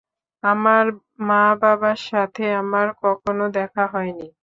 আমার মা বাবার সাথে আমার কখনো দেখা হয়নি।